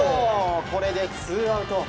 これでツーアウト。